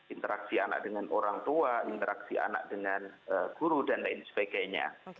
interaksi anak dengan orang tua interaksi anak dengan guru dan lain sebagainya